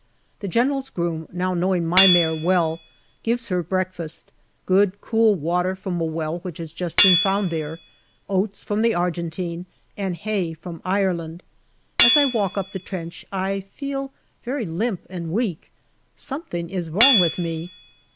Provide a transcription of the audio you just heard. The General's groom, now knowing my mare well, gives her breakfast, good cool water from a well which has just been found there, oats from the Argentine, and hay from Ireland. As I walk up the trench I feel very limp and weak. Something is wrong with me.